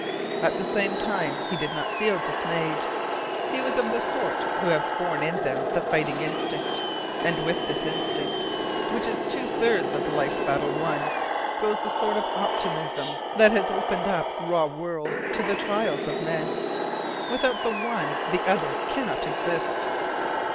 At the same time, he did not feel dismayed. He was of the sort who have born in them the fighting instinct, And with this instinct, which is two thirds of life's battle won, goes the sort of optimism that has opened up raw worlds to the trails of men. Without the one the other cannot exist.